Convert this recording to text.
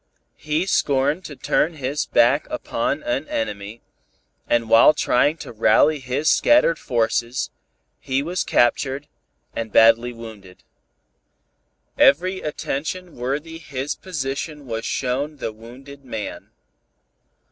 He scorned to turn his back upon an enemy, and while trying to rally his scattered forces, he was captured, badly wounded. Every attention worthy his position was shown the wounded man.